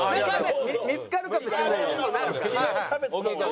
見つかるかもしれないじゃん。